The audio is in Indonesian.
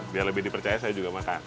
biar lebih dipercaya saya juga makan